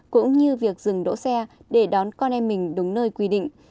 cũng như việc dừng đỗ xe để đón con em mình đúng nơi quy định